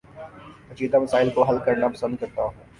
پیچیدہ مسائل کو حل کرنا پسند کرتا ہوں